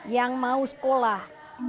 yang mau sekolah